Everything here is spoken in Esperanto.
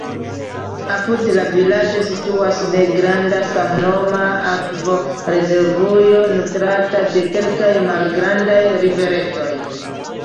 Apud la vilaĝo situas negranda samnoma akvorezervujo, nutrata de kelkaj malgrandaj riveretoj.